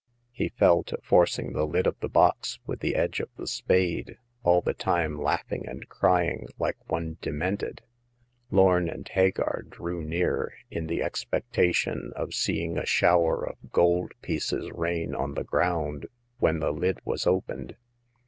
He fell to forcing the lid of the box with the edge of the spade, all the time laughing and cry ing like one demented. Lorn and Hagar drew near, in the expectation oi seeing a shower of The First Customer. 59 gold pieces rain on the ground when the lid was opened.